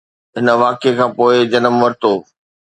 هن واقعي کان پوء جنم ورتو